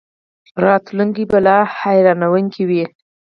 راتلونکی به لا حیرانوونکی وي.